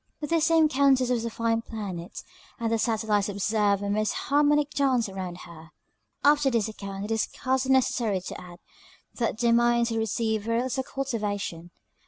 This same Countess was a fine planet, and the satellites observed a most harmonic dance around her. After this account it is scarcely necessary to add, that their minds had received very little cultivation.